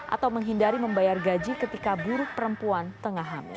atau menghindari membayar gaji ketika buruk perempuan tengah hamil